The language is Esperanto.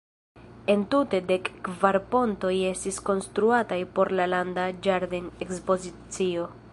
Entute dek kvar pontoj estis konstruataj por la Landa Ĝarden-Ekspozicio.